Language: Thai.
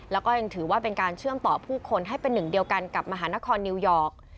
แล้วก็ยังถือว่าเป็นการเชื่อมต่อผู้คนให้เป็นหนึ่งเดียวกันกับมหานครนิวยอร์ก